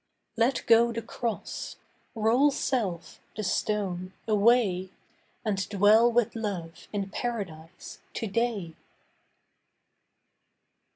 Let go the cross; roll self—the stone—away And dwell with Love in Paradise to day.